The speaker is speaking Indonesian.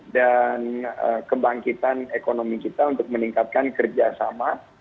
dan kebangkitan ekonomi kita untuk meningkatkan kerja sama